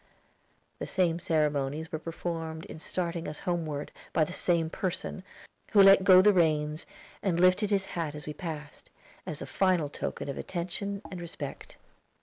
The same ceremonies were performed in starting us homeward, by the same person, who let go the reins, and lifted his hat as we passed, as the final token of attention and respect.